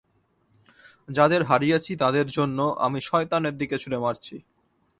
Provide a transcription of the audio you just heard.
যাদের হারিয়েছি তাদের জন্য, আমি শয়তানের দিকে ছুঁড়ে মারছি!